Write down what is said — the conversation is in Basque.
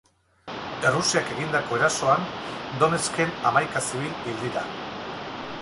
Errusiak egindako erasoan, Donetsken hamaika zibil hil dira.